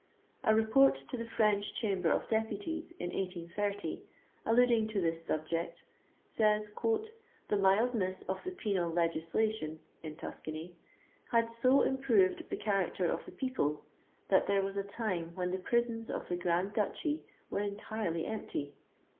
A Report to the French Chamber of Deputies in 1830 alluding to this subject, says, "the mildness of the penal legislation [in Tus cany] had so improved the character of the people, that there was a time when the prisons of the Grand Duchy were entirely empty."